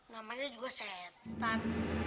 namanya juga setan